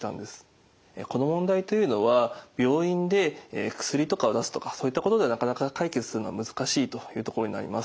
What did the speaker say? この問題というのは病院で薬とかを出すとかそういったことではなかなか解決するのは難しいというところになります。